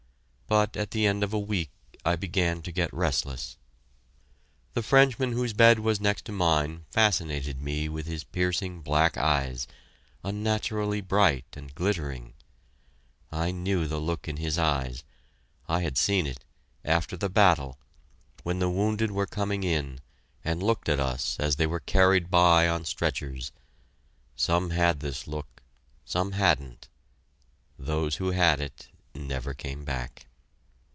But at the end of a week I began to get restless. The Frenchman whose bed was next to mine fascinated me with his piercing black eyes, unnaturally bright and glittering. I knew the look in his eyes; I had seen it after the battle when the wounded were coming in, and looked at us as they were carried by on stretchers. Some had this look some hadn't. Those who had it never came back.